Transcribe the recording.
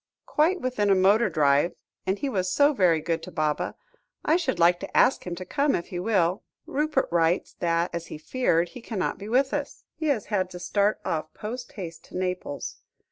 "Quite within a motor drive; and he was so very good to Baba, I should like to ask him to come if he will. Rupert writes, that, as he feared, he cannot be with us. He has had to start off post haste to Naples.